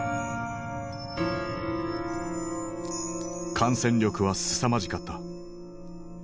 感染力はすさまじかった。